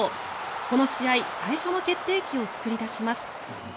この試合、最初の決定機を作り出します。